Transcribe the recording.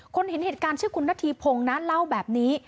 เห็นเหตุการณ์ชื่อคุณนาธีพงศ์นะเล่าแบบนี้